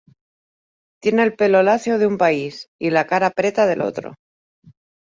Tiene el pelo lacio de un país y la cara preta del otro.